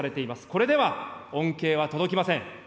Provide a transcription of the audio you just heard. これでは恩恵は届きません。